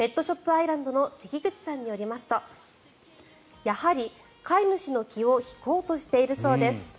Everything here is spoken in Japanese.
アイランドの関口さんによりますとやはり、飼い主の気を引こうとしているそうです。